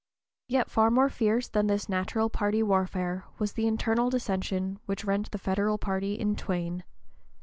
Yet far more fierce than this natural party warfare was the internal dissension which rent the Federal party in twain.